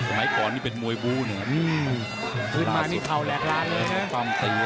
สมัยก่อนนี่เป็นมวยบูเนี่ยพื้นมานี่เข่าแหลกล้านเลยนะ